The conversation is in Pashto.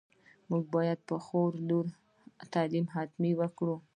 موږ باید په خور لور تعليم حتماً وکړو.